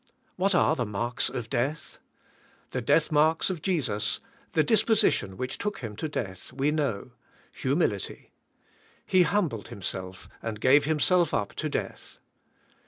What are the marks of death ? The death marks of Jesus, the disposi tion which took Him to death, we know — humility. He humbled Himself and gave Himself up to death.